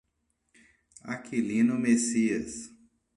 Aquilino Messias